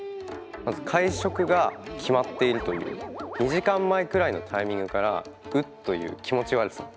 まず会食が決まっているという２時間前くらいのタイミングからウッという気持ち悪さ。